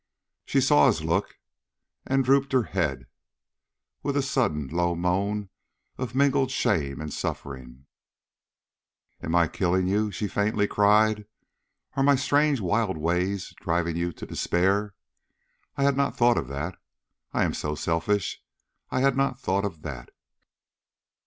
She saw his look and drooped her head with a sudden low moan of mingled shame and suffering. "Am I killing you?" she faintly cried. "Are my strange, wild ways driving you to despair? I had not thought of that. I am so selfish, I had not thought of that!"